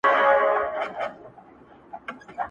پای لا هم خلاص پاته کيږي,